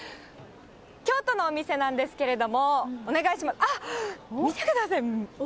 京都のお店なんですけれども、お願いします。